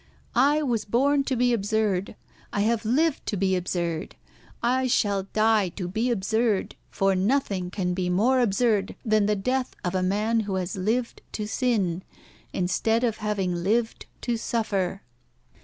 I was born to be absurd. I have lived to be absurd. I shall die to be absurd; for nothing can be more absurd than the death of a man who has lived to sin, instead of having lived to suffer.